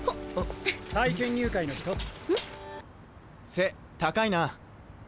背高いな。